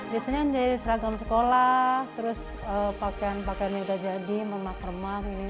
biasanya jadi serangkaun sekolah terus pakaian pakaian yang sudah jadi memak remah menele